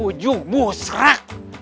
bujung bu serak